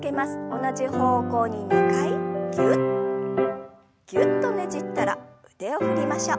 同じ方向に２回ぎゅっぎゅっとねじったら腕を振りましょう。